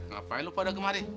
ngapain lu pada kemari